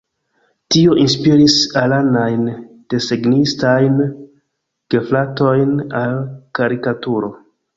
Tio inspiris iranajn desegnistajn gefratojn al karikaturo.